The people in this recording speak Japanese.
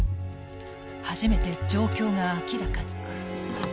初めて状況が明らかに。